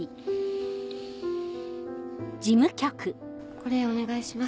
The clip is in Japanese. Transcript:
これお願いします。